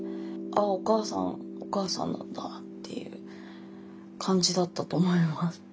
お母さんなんだっていう感じだったと思います。